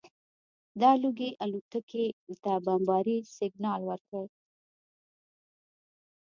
دا لوګي الوتکو ته د بمبارۍ سګنال ورکړ